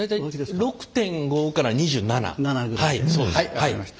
分かりました。